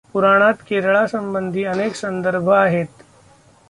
पुराणात केरळासबंधी अनेक संदर्भ आहेत.